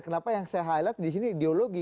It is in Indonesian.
kenapa yang saya highlight disini ideologi